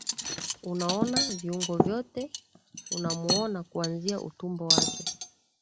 unaona viungo vyote unamwona kuanzia utumbo wake